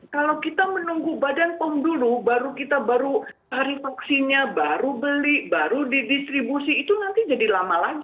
kalau kita menunggu badan pom dulu baru kita baru cari vaksinnya baru beli baru didistribusi itu nanti jadi lama lagi